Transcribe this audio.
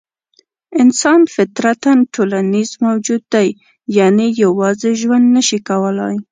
انسان فطرتاً ټولنیز موجود دی؛ یعنې یوازې ژوند نه شي کولای.